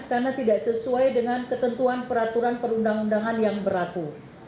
karena tidak sesuai dengan ketentuan peraturan perundang undangan yang berlaku